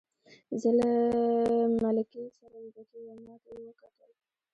زه له ملکې سره ویده کېږم، ما ته یې وکتل.